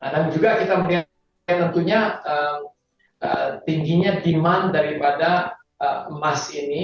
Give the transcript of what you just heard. juga kita melihat tentunya tingginya demand daripada emas ini